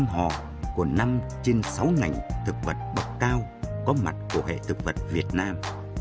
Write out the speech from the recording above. một trăm một mươi năm họ của năm trên sáu ngành thực vật bậc cao có mặt của hệ thực vật việt nam